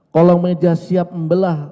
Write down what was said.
kolong meja siap membelah